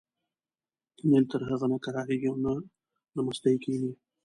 نیل تر هغې نه کرارېږي او نه له مستۍ کېني.